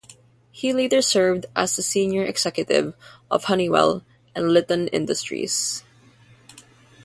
He later served as a senior executive of Honeywell and Litton Industries.